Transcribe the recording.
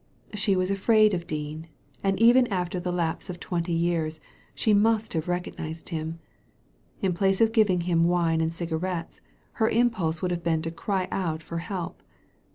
She was afraid of Dean, and even after the lapse of twenty years she must have recognized him. In place of giving him wine and cigarettes, her impulse would have been to cry out for help.